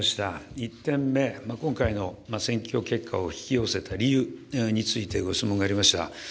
１点目、今回の選挙結果を引き寄せた理由についてご質問がありました。